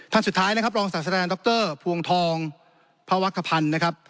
ท่านสุดท้ายนะครับรองศาสดานดรพวงทองพระวักขพันธ์นะครับ